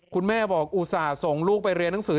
คุณแม่บอกอุตส่าห์ส่งลูกไปเรียนหนังสือ